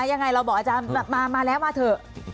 ยังไงเราบอกอาจารย์มาแล้วมาเถอะ